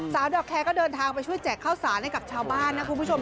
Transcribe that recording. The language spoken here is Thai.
ดอกแคร์ก็เดินทางไปช่วยแจกข้าวสารให้กับชาวบ้านนะคุณผู้ชม